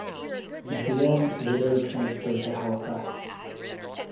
Nepia later transferred to Halifax.